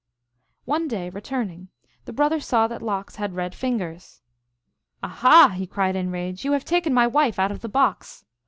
One day, returning, the brother saw that Lox had red fingers. " Aha !" he cried, in a rage, " you have taken my wife out of the box."